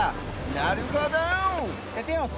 なるほど！